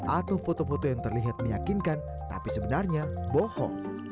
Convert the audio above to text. atau foto foto yang terlihat meyakinkan tapi sebenarnya bohong